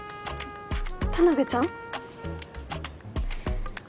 田辺ちゃん？